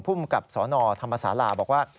ภูมิกับสนธรรมศาลาบอกว่า